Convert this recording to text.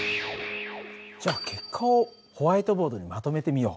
じゃあ結果をホワイトボードにまとめてみよう。